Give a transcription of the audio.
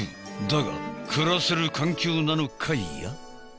だが暮らせる環境なのかいや？